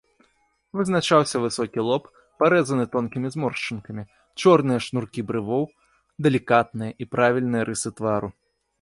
Вызначаўся высокі лоб, парэзаны тонкімі зморшчынкамі, чорныя шнуркі брывоў, далікатныя і правільныя рысы твару.